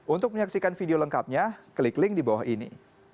untuk menyaksikan video lengkapnya klik link di bawah ini